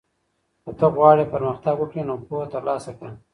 که ته غواړې پرمختګ وکړې نو پوهه ترلاسه کړه.